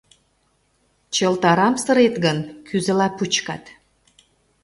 Чылт арам сырет гын, кӱзыла пӱчкат.